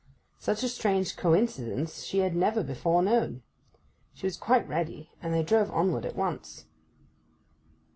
Such a strange coincidence she had never before known. She was quite ready, and they drove onward at once.